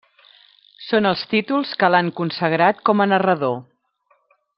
Són els títols que l'han consagrat com a narrador.